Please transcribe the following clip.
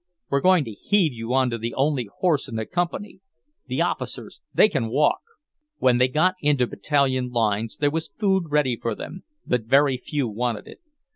We're going to heave you onto the only horse in the Company. The officers, they can walk!" When they got into Battalion lines there was food ready for them, but very few wanted it.